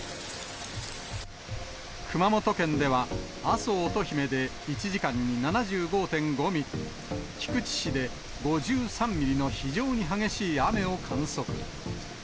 熊本県では、阿蘇乙姫で１時間に７５．５ミリ、菊池市で５３ミリの非常に激しい雨を観測。